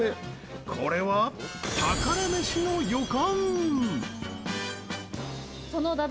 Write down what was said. これは宝メシの予感。